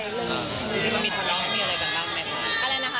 เรื่องนี้มันมีทะเลาะมีอะไรกันบ้างไหมคะ